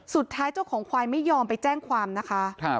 เจ้าของควายไม่ยอมไปแจ้งความนะคะ